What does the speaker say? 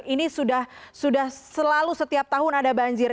ini sudah selalu setiap tahun ada banjir